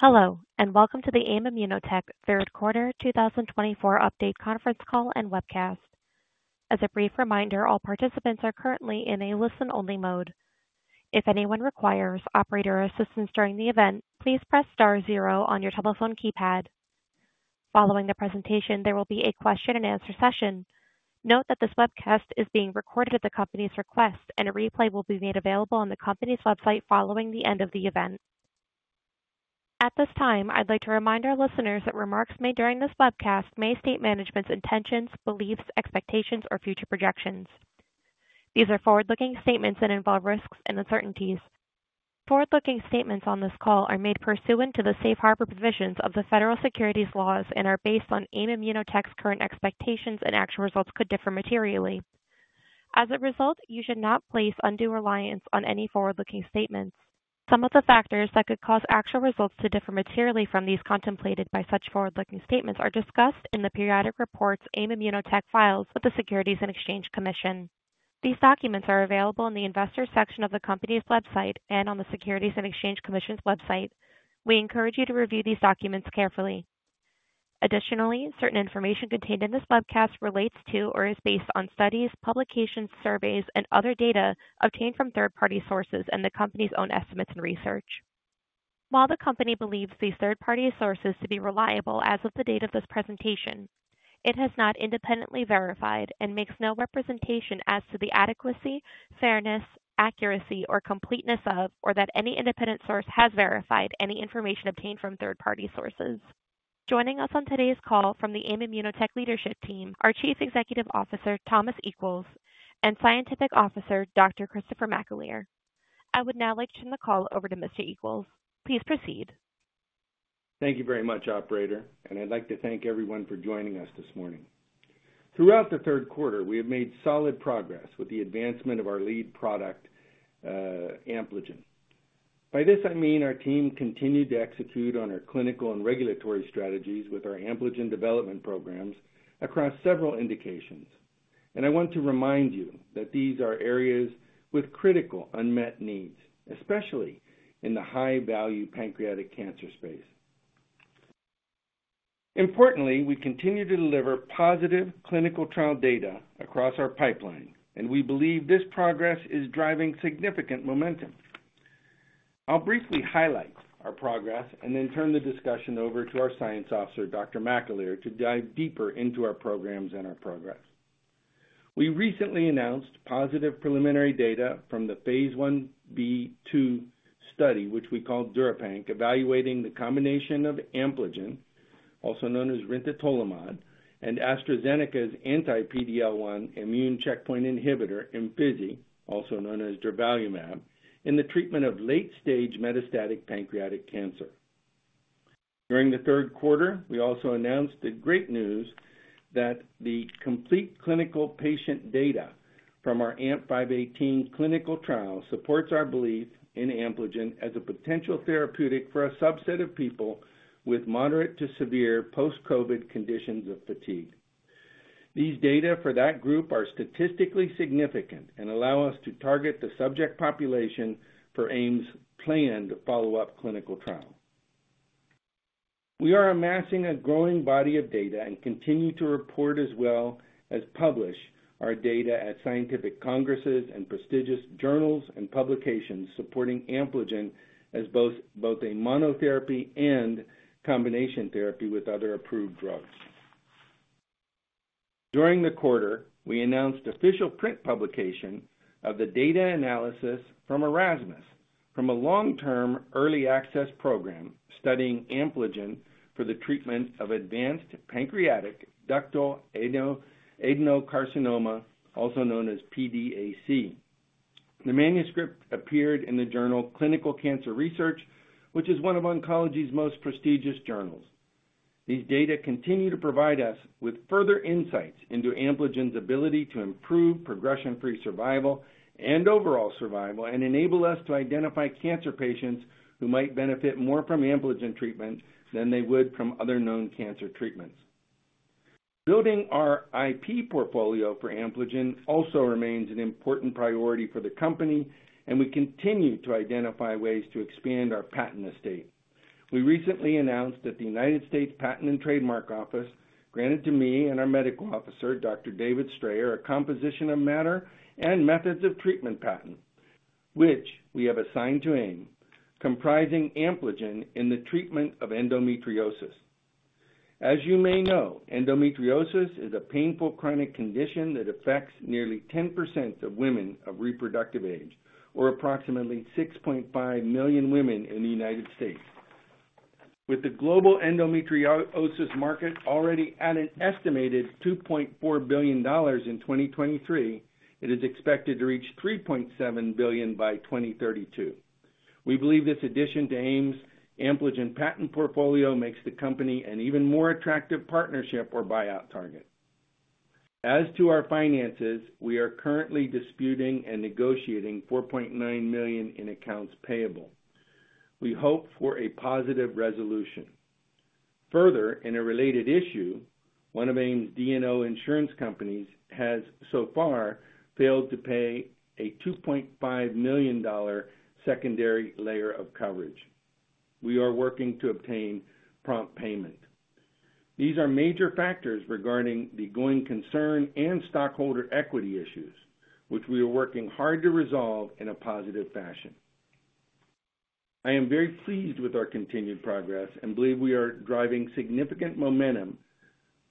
Hello, and welcome to the AIM ImmunoTech third quarter 2024 update conference call and webcast. As a brief reminder, all participants are currently in a listen-only mode. If anyone requires operator assistance during the event, please press star zero on your telephone keypad. Following the presentation, there will be a question-and-answer session. Note that this webcast is being recorded at the company's request, and a replay will be made available on the company's website following the end of the event. At this time, I'd like to remind our listeners that remarks made during this webcast may state management's intentions, beliefs, expectations, or future projections. These are forward-looking statements and involve risks and uncertainties. Forward-looking statements on this call are made pursuant to the safe harbor provisions of the federal securities laws and are based on AIM ImmunoTech's current expectations, and actual results could differ materially. As a result, you should not place undue reliance on any forward-looking statements. Some of the factors that could cause actual results to differ materially from these contemplated by such forward-looking statements are discussed in the periodic reports AIM ImmunoTech files with the Securities and Exchange Commission. These documents are available in the investor section of the company's website and on the Securities and Exchange Commission's website. We encourage you to review these documents carefully. Additionally, certain information contained in this webcast relates to or is based on studies, publications, surveys, and other data obtained from third-party sources and the company's own estimates and research. While the company believes these third-party sources to be reliable as of the date of this presentation, it has not independently verified and makes no representation as to the adequacy, fairness, accuracy, or completeness of, or that any independent source has verified any information obtained from third-party sources. Joining us on today's call from the AIM ImmunoTech leadership team are Chief Executive Officer Thomas Equels and Scientific Officer Dr. Christopher McAleer. I would now like to turn the call over to Mr. Equels. Please proceed. Thank you very much, Operator, and I'd like to thank everyone for joining us this morning. Throughout the third quarter, we have made solid progress with the advancement of our lead product, Ampligen. By this, I mean our team continued to execute on our clinical and regulatory strategies with our Ampligen development programs across several indications. And I want to remind you that these are areas with critical unmet needs, especially in the high-value pancreatic cancer space. Importantly, we continue to deliver positive clinical trial data across our pipeline, and we believe this progress is driving significant momentum. I'll briefly highlight our progress and then turn the discussion over to our Scientific Officer, Dr. McAleer, to dive deeper into our programs and our progress. We recently announced positive preliminary data from the phase IB/II study, which we call Durapanc, evaluating the combination of Ampligen, also known as rintatolimod, and AstraZeneca's anti-PD-L1 immune checkpoint inhibitor, Imfinzi, also known as durvalumab, in the treatment of late-stage metastatic pancreatic cancer. During the third quarter, we also announced the great news that the complete clinical patient data from our AMP-518 clinical trial supports our belief in Ampligen as a potential therapeutic for a subset of people with moderate to severe post-COVID conditions of fatigue. These data for that group are statistically significant and allow us to target the subject population for AIM's planned follow-up clinical trial. We are amassing a growing body of data and continue to report as well as publish our data at scientific congresses and prestigious journals and publications supporting Ampligen as both a monotherapy and combination therapy with other approved drugs. During the quarter, we announced official print publication of the data analysis from Erasmus from a long-term early access program studying Ampligen for the treatment of advanced pancreatic ductal adenocarcinoma, also known as PDAC. The manuscript appeared in the journal Clinical Cancer Research, which is one of oncology's most prestigious journals. These data continue to provide us with further insights into Ampligen's ability to improve progression-free survival and overall survival and enable us to identify cancer patients who might benefit more from Ampligen treatment than they would from other known cancer treatments. Building our IP portfolio for Ampligen also remains an important priority for the company, and we continue to identify ways to expand our patent estate. We recently announced that the United States Patent and Trademark Office granted to me and our medical officer, Dr. David Strayer, a composition of matter and methods of treatment patent, which we have assigned to AIM, comprising Ampligen in the treatment of endometriosis. As you may know, endometriosis is a painful chronic condition that affects nearly 10% of women of reproductive age, or approximately 6.5 million women in the United States. With the global endometriosis market already at an estimated $2.4 billion in 2023, it is expected to reach $3.7 billion by 2032. We believe this addition to AIM's Ampligen patent portfolio makes the company an even more attractive partnership or buyout target. As to our finances, we are currently disputing and negotiating $4.9 million in accounts payable. We hope for a positive resolution. Further, in a related issue, one of AIM's D&O insurance companies has so far failed to pay a $2.5 million secondary layer of coverage. We are working to obtain prompt payment. These are major factors regarding the growing concern and stockholder equity issues, which we are working hard to resolve in a positive fashion. I am very pleased with our continued progress and believe we are driving significant momentum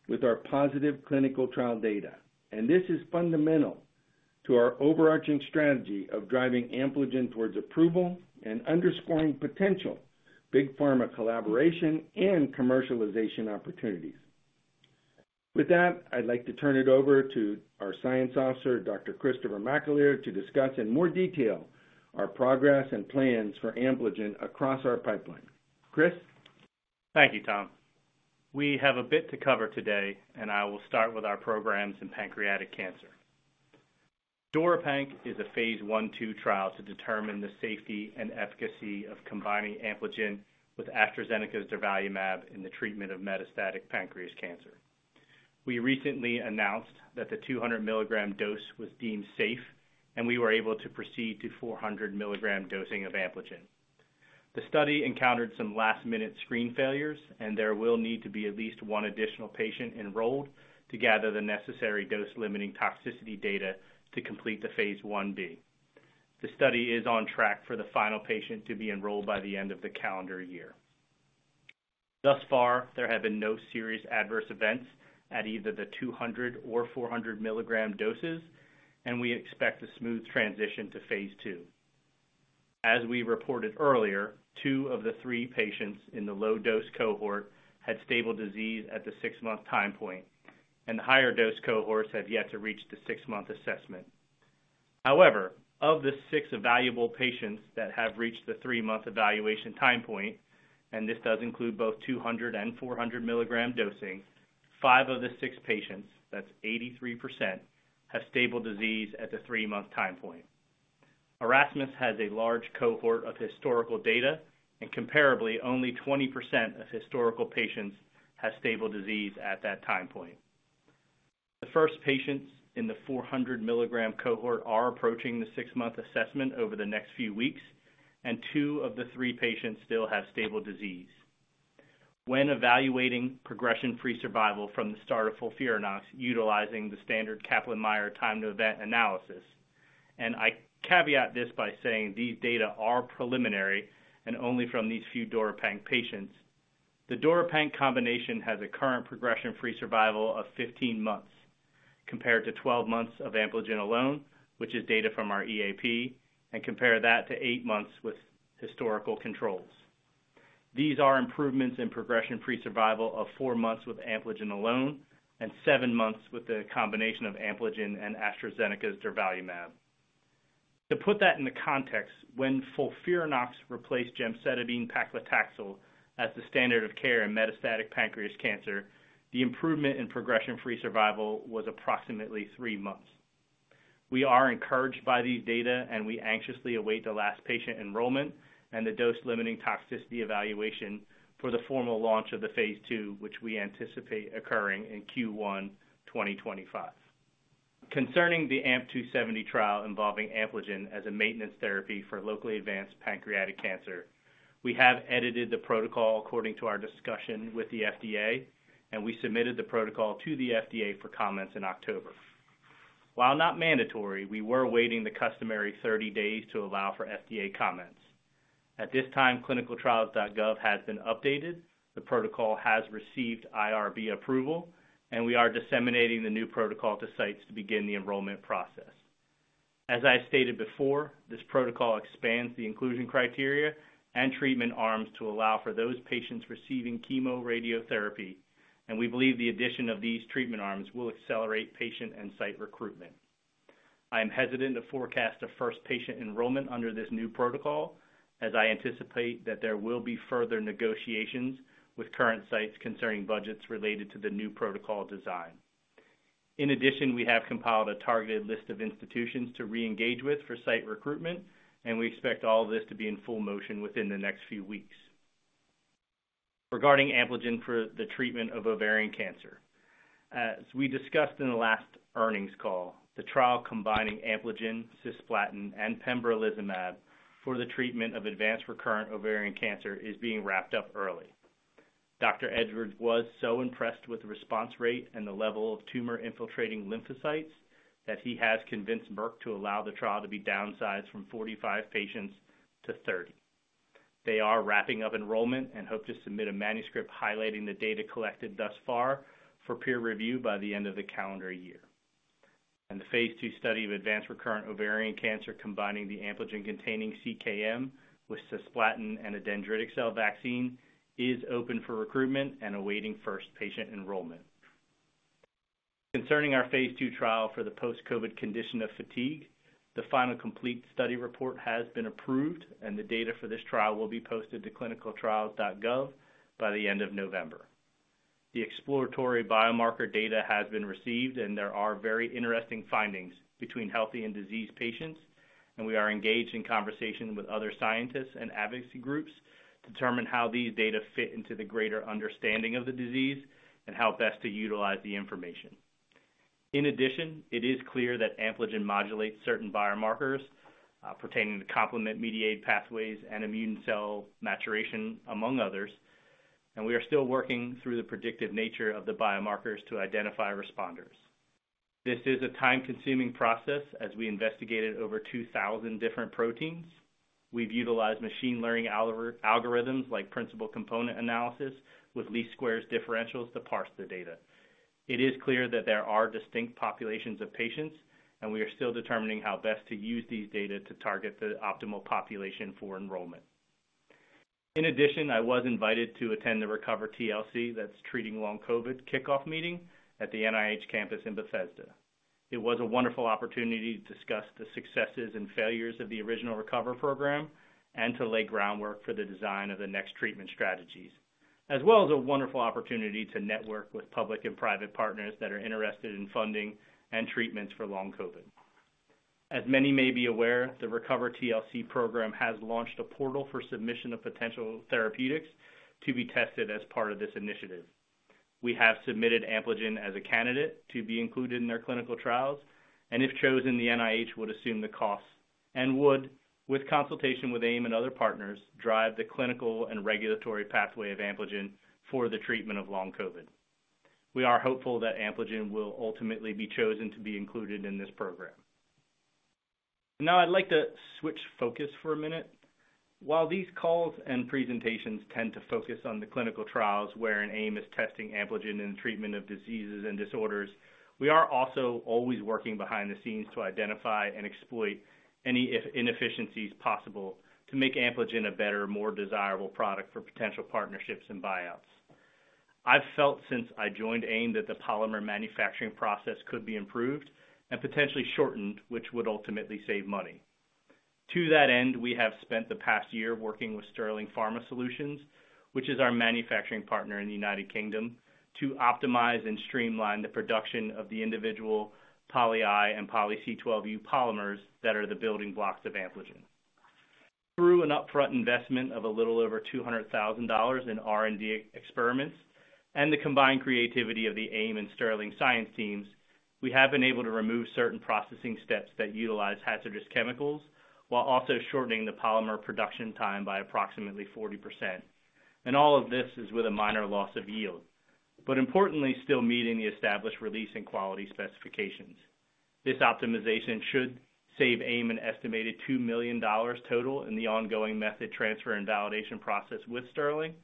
with our positive clinical trial data, and this is fundamental to our overarching strategy of driving Ampligen towards approval and underscoring potential big pharma collaboration and commercialization opportunities. With that, I'd like to turn it over to our science officer, Dr. Christopher McAleer, to discuss in more detail our progress and plans for Ampligen across our pipeline. Chris? Thank you, Tom. We have a bit to cover today, and I will start with our programs in pancreatic cancer. Durapanc is a phase II trial to determine the safety and efficacy of combining Ampligen with AstraZeneca's durvalumab in the treatment of metastatic pancreatic cancer. We recently announced that the 200-milligram dose was deemed safe, and we were able to proceed to 400-milligram dosing of Ampligen. The study encountered some last-minute screen failures, and there will need to be at least one additional patient enrolled to gather the necessary dose-limiting toxicity data to complete the phase IB. The study is on track for the final patient to be enrolled by the end of the calendar year. Thus far, there have been no serious adverse events at either the 200 or 400-milligram doses, and we expect a smooth transition to phase II. As we reported earlier, two of the three patients in the low-dose cohort had stable disease at the six-month time point, and the higher-dose cohorts have yet to reach the six-month assessment. However, of the six evaluable patients that have reached the three-month evaluation time point, and this does include both 200 and 400-milligram dosing, five of the six patients, that's 83%, have stable disease at the three-month time point. Erasmus has a large cohort of historical data, and comparably, only 20% of historical patients have stable disease at that time point. The first patients in the 400-milligram cohort are approaching the six-month assessment over the next few weeks, and two of the three patients still have stable disease. When evaluating progression-free survival from the start of FOLFIRINOX utilizing the standard Kaplan-Meier time-to-event analysis, and I caveat this by saying these data are preliminary and only from these few Durapanc patients, the Durapanc combination has a current progression-free survival of 15 months compared to 12 months of Ampligen alone, which is data from our EAP, and compare that to eight months with historical controls. These are improvements in progression-free survival of four months with Ampligen alone and seven months with the combination of Ampligen and AstraZeneca's durvalumab. To put that in the context, when FOLFIRINOX replaced gemcitabine paclitaxel as the standard of care in metastatic pancreatic cancer, the improvement in progression-free survival was approximately three months. We are encouraged by these data, and we anxiously await the last patient enrollment and the dose-limiting toxicity evaluation for the formal launch of the phase II, which we anticipate occurring in Q1 2025. Concerning the AMP-270 trial involving Ampligen as a maintenance therapy for locally advanced pancreatic cancer, we have edited the protocol according to our discussion with the FDA, and we submitted the protocol to the FDA for comments in October. While not mandatory, we were waiting the customary 30 days to allow for FDA comments. At this time, ClinicalTrials.gov has been updated, the protocol has received IRB approval, and we are disseminating the new protocol to sites to begin the enrollment process. As I stated before, this protocol expands the inclusion criteria and treatment arms to allow for those patients receiving chemoradiotherapy, and we believe the addition of these treatment arms will accelerate patient and site recruitment. I am hesitant to forecast a first patient enrollment under this new protocol, as I anticipate that there will be further negotiations with current sites concerning budgets related to the new protocol design. In addition, we have compiled a targeted list of institutions to re-engage with for site recruitment, and we expect all of this to be in full motion within the next few weeks. Regarding Ampligen for the treatment of ovarian cancer, as we discussed in the last earnings call, the trial combining Ampligen, cisplatin, and pembrolizumab for the treatment of advanced recurrent ovarian cancer is being wrapped up early. Dr. Edwards was so impressed with the response rate and the level of tumor-infiltrating lymphocytes that he has convinced Merck to allow the trial to be downsized from 45 patients to 30. They are wrapping up enrollment and hope to submit a manuscript highlighting the data collected thus far for peer review by the end of the calendar year, and the phase II study of advanced recurrent ovarian cancer combining the Ampligen-containing CKM with cisplatin and a dendritic cell vaccine is open for recruitment and awaiting first patient enrollment. Concerning our phase II trial for the post-COVID condition of fatigue, the final complete study report has been approved, and the data for this trial will be posted to ClinicalTrials.gov by the end of November. The exploratory biomarker data has been received, and there are very interesting findings between healthy and diseased patients, and we are engaged in conversation with other scientists and advocacy groups to determine how these data fit into the greater understanding of the disease and how best to utilize the information. In addition, it is clear that Ampligen modulates certain biomarkers pertaining to complement-mediated pathways and immune cell maturation, among others, and we are still working through the predictive nature of the biomarkers to identify responders. This is a time-consuming process as we investigated over 2,000 different proteins. We've utilized machine learning algorithms like principal component analysis with least squares differentials to parse the data. It is clear that there are distinct populations of patients, and we are still determining how best to use these data to target the optimal population for enrollment. In addition, I was invited to attend the RECOVER-TLC, that's Treating Long COVID, kickoff meeting at the NIH campus in Bethesda. It was a wonderful opportunity to discuss the successes and failures of the original RECOVER program and to lay groundwork for the design of the next treatment strategies, as well as a wonderful opportunity to network with public and private partners that are interested in funding and treatments for long COVID. As many may be aware, the RECOVER-TLC program has launched a portal for submission of potential therapeutics to be tested as part of this initiative. We have submitted Ampligen as a candidate to be included in their clinical trials, and if chosen, the NIH would assume the costs and would, with consultation with AIM and other partners, drive the clinical and regulatory pathway of Ampligen for the treatment of long COVID. We are hopeful that Ampligen will ultimately be chosen to be included in this program. Now, I'd like to switch focus for a minute. While these calls and presentations tend to focus on the clinical trials wherein AIM is testing Ampligen in the treatment of diseases and disorders, we are also always working behind the scenes to identify and exploit any inefficiencies possible to make Ampligen a better, more desirable product for potential partnerships and buyouts. I've felt since I joined AIM that the polymer manufacturing process could be improved and potentially shortened, which would ultimately save money. To that end, we have spent the past year working with Sterling Pharma Solutions, which is our manufacturing partner in the United Kingdom, to optimize and streamline the production of the individual Poly-I and Poly-C12U polymers that are the building blocks of Ampligen. Through an upfront investment of a little over $200,000 in R&D experiments and the combined creativity of the AIM and Sterling science teams, we have been able to remove certain processing steps that utilize hazardous chemicals while also shortening the polymer production time by approximately 40%, and all of this is with a minor loss of yield, but importantly, still meeting the established release and quality specifications. This optimization should save AIM an estimated $2 million total in the ongoing method transfer and validation process with Sterling,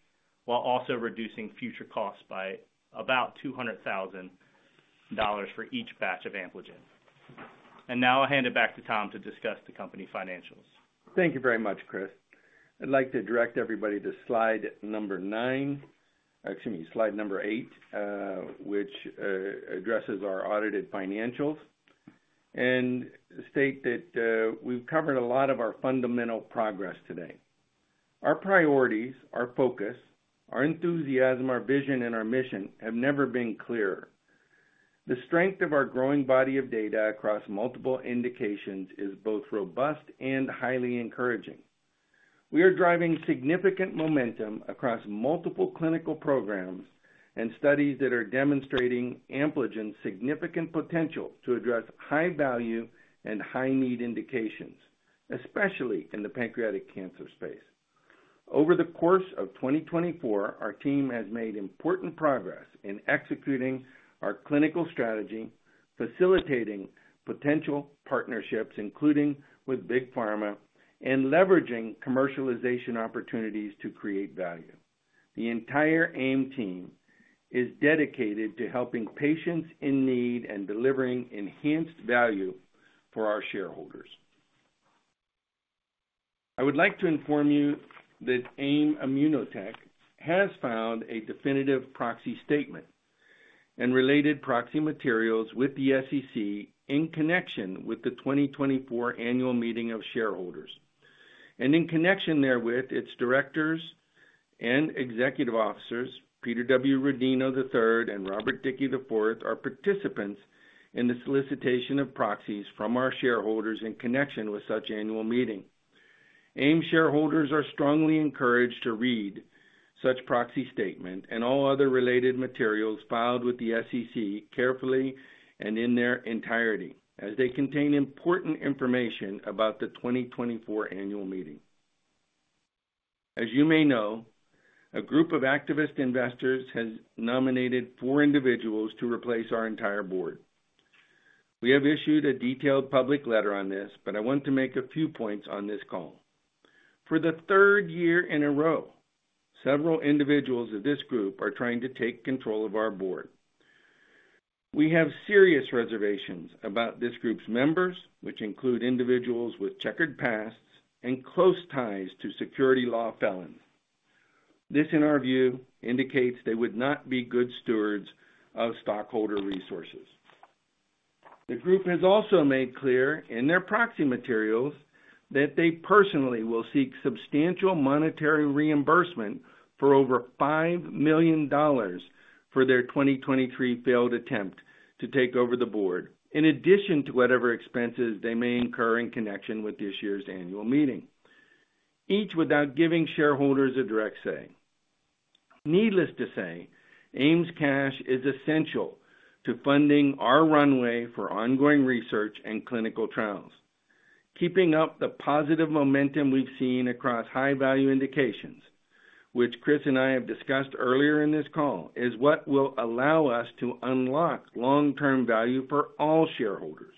while also reducing future costs by about $200,000 for each batch of Ampligen, and now I'll hand it back to Tom to discuss the company financials. Thank you very much, Chris. I'd like to direct everybody to slide number nine, or excuse me, slide number eight, which addresses our audited financials, and state that we've covered a lot of our fundamental progress today. Our priorities, our focus, our enthusiasm, our vision, and our mission have never been clearer. The strength of our growing body of data across multiple indications is both robust and highly encouraging. We are driving significant momentum across multiple clinical programs and studies that are demonstrating Ampligen's significant potential to address high-value and high-need indications, especially in the pancreatic cancer space. Over the course of 2024, our team has made important progress in executing our clinical strategy, facilitating potential partnerships, including with big pharma, and leveraging commercialization opportunities to create value. The entire AIM team is dedicated to helping patients in need and delivering enhanced value for our shareholders. I would like to inform you that AIM ImmunoTech has filed a definitive proxy statement and related proxy materials with the SEC in connection with the 2024 annual meeting of shareholders. And in connection therewith, its directors and executive officers, Peter W. Rodino III and Robert Dickey IV, are participants in the solicitation of proxies from our shareholders in connection with such annual meeting. AIM shareholders are strongly encouraged to read such proxy statement and all other related materials filed with the SEC carefully and in their entirety, as they contain important information about the 2024 annual meeting. As you may know, a group of activist investors has nominated four individuals to replace our entire board. We have issued a detailed public letter on this, but I want to make a few points on this call. For the third year in a row, several individuals of this group are trying to take control of our board. We have serious reservations about this group's members, which include individuals with checkered pasts and close ties to securities law felons. This, in our view, indicates they would not be good stewards of stockholder resources. The group has also made clear in their proxy materials that they personally will seek substantial monetary reimbursement for over $5 million for their 2023 failed attempt to take over the board, in addition to whatever expenses they may incur in connection with this year's annual meeting, each without giving shareholders a direct say. Needless to say, AIM's cash is essential to funding our runway for ongoing research and clinical trials. Keeping up the positive momentum we've seen across high-value indications, which Chris and I have discussed earlier in this call, is what will allow us to unlock long-term value for all shareholders.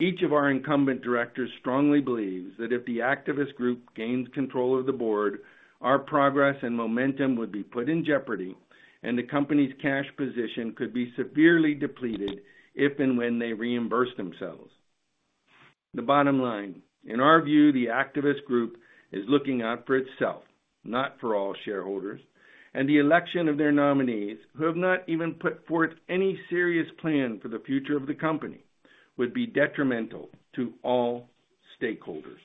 Each of our incumbent directors strongly believes that if the activist group gains control of the board, our progress and momentum would be put in jeopardy, and the company's cash position could be severely depleted if and when they reimburse themselves. The bottom line, in our view, the activist group is looking out for itself, not for all shareholders, and the election of their nominees, who have not even put forth any serious plan for the future of the company, would be detrimental to all stakeholders.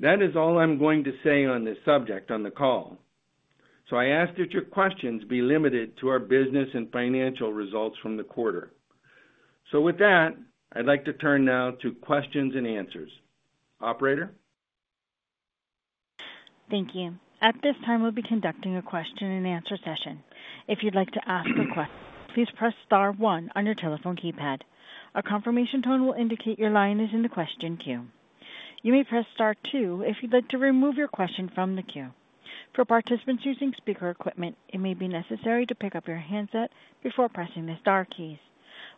That is all I'm going to say on this subject on the call. So I ask that your questions be limited to our business and financial results from the quarter. So with that, I'd like to turn now to questions and answers. Operator. Thank you. At this time, we'll be conducting a question-and-answer session. If you'd like to ask a question, please press star one on your telephone keypad. A confirmation tone will indicate your line is in the question queue. You may press star two if you'd like to remove your question from the queue. For participants using speaker equipment, it may be necessary to pick up your handset before pressing the star keys.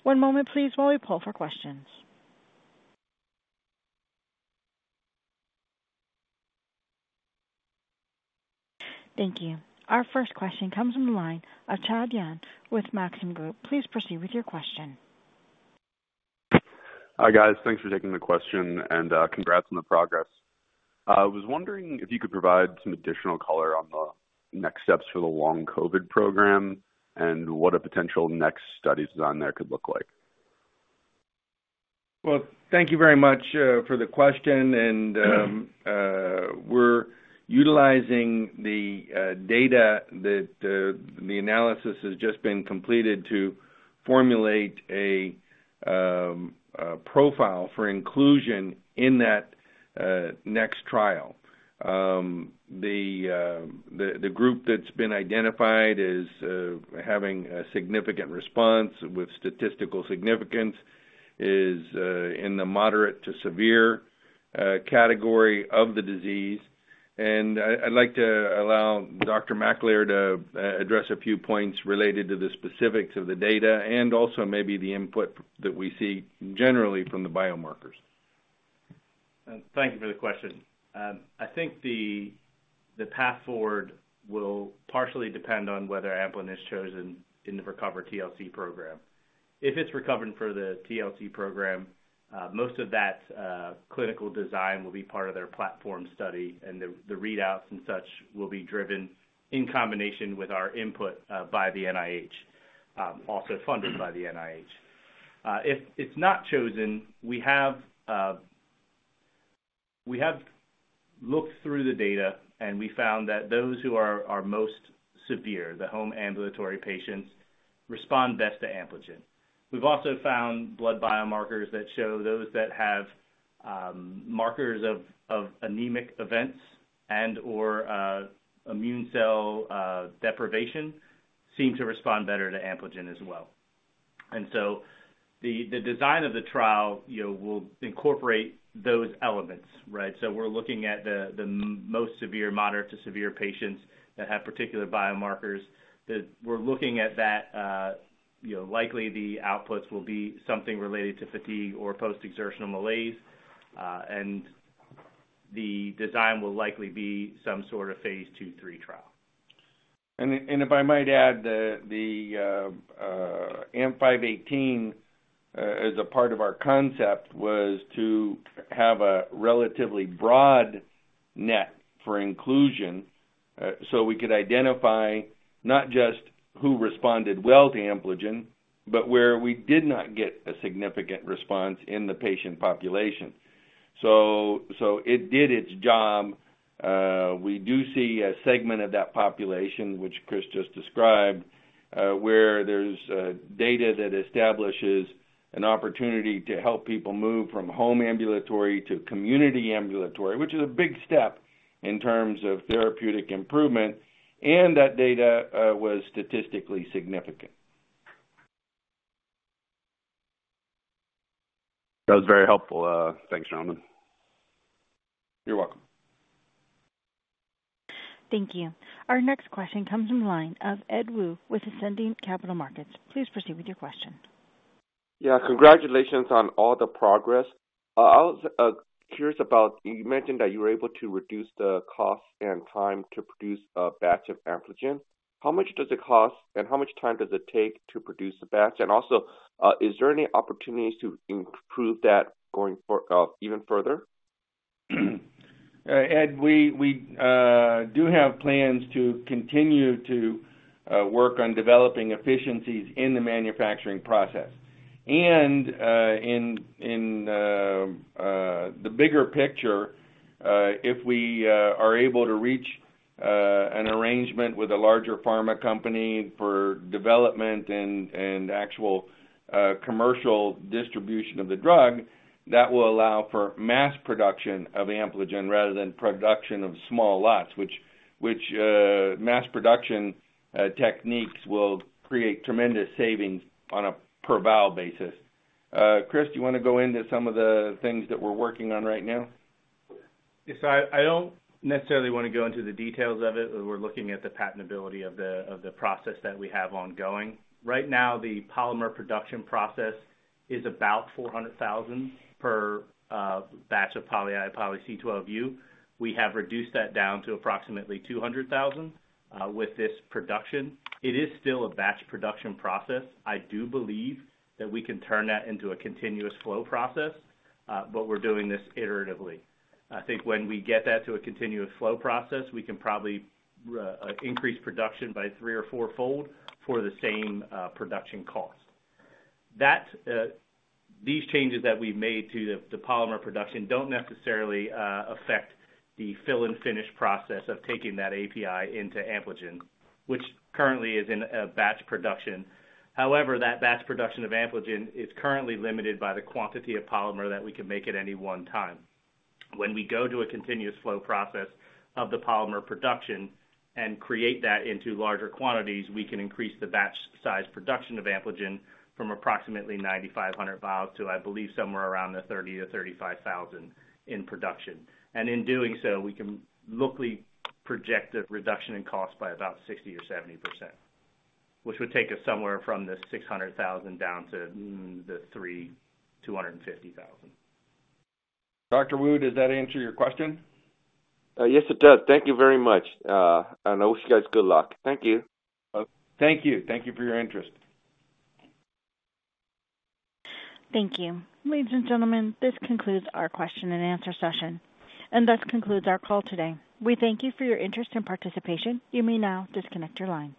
One moment, please, while we pull for questions. Thank you. Our first question comes from the line of Chad Yuan with Maxim Group. Please proceed with your question. Hi, guys. Thanks for taking the question, and congrats on the progress. I was wondering if you could provide some additional color on the next steps for the Long COVID program and what a potential next study design there could look like. Thank you very much for the question. We're utilizing the data that the analysis has just been completed to formulate a profile for inclusion in that next trial. The group that's been identified as having a significant response with statistical significance is in the moderate to severe category of the disease. I'd like to allow Dr. McAleer to address a few points related to the specifics of the data and also maybe the input that we see generally from the biomarkers. Thank you for the question. I think the path forward will partially depend on whether Ampligen is chosen in the RECOVER-TLC program. If it's chosen for the TLC program, most of that clinical design will be part of their platform study, and the readouts and such will be driven in combination with our input by the NIH, also funded by the NIH. If it's not chosen, we have looked through the data, and we found that those who are most severe, the home ambulatory patients, respond best to Ampligen. We've also found blood biomarkers that show those that have markers of anemic events and/or immune cell deprivation seem to respond better to Ampligen as well, and so the design of the trial will incorporate those elements, right, so we're looking at the most severe, moderate to severe patients that have particular biomarkers. We're looking at that. Likely, the outputs will be something related to fatigue or post-exertional malaise, and the design will likely be some sort of phase two, three trial. And if I might add, the AMP-518, as a part of our concept, was to have a relatively broad net for inclusion so we could identify not just who responded well to Ampligen, but where we did not get a significant response in the patient population. So it did its job. We do see a segment of that population, which Chris just described, where there's data that establishes an opportunity to help people move from home ambulatory to community ambulatory, which is a big step in terms of therapeutic improvement, and that data was statistically significant. That was very helpful. Thanks, gentlemen. You're welcome. Thank you. Our next question comes from the line of Ed Woo with Ascendiant Capital Markets. Please proceed with your question. Yeah, congratulations on all the progress. I was curious about you mentioned that you were able to reduce the cost and time to produce a batch of Ampligen. How much does it cost, and how much time does it take to produce a batch? And also, is there any opportunities to improve that going even further? Ed, we do have plans to continue to work on developing efficiencies in the manufacturing process, and in the bigger picture, if we are able to reach an arrangement with a larger pharma company for development and actual commercial distribution of the drug, that will allow for mass production of Ampligen rather than production of small lots, which mass production techniques will create tremendous savings on a per-vial basis. Chris, do you want to go into some of the things that we're working on right now? Yes, I don't necessarily want to go into the details of it. We're looking at the patentability of the process that we have ongoing. Right now, the polymer production process is about 400,000 per batch of Poly-I, Poly-C12U. We have reduced that down to approximately 200,000 with this production. It is still a batch production process. I do believe that we can turn that into a continuous flow process, but we're doing this iteratively. I think when we get that to a continuous flow process, we can probably increase production by three or four-fold for the same production cost. These changes that we've made to the polymer production don't necessarily affect the fill-and-finish process of taking that API into Ampligen, which currently is in batch production. However, that batch production of Ampligen is currently limited by the quantity of polymer that we can make at any one time. When we go to a continuous flow process of the polymer production and create that into larger quantities, we can increase the batch size production of Ampligen from approximately 9,500 vials to, I believe, somewhere around the 30-35 thousand in production, and in doing so, we can logically project a reduction in cost by about 60% or 70%, which would take us somewhere from the $600,000 down to the $3,250,000. Dr. Woo, does that answer your question? Yes, it does. Thank you very much. And I wish you guys good luck. Thank you. Thank you. Thank you for your interest. Thank you. Ladies and gentlemen, this concludes our question-and-answer session. That concludes our call today. We thank you for your interest and participation. You may now disconnect your lines.